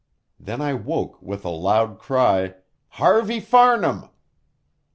Then I woke with a loud cry "Harvey Farnham!"